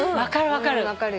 分かる分かる。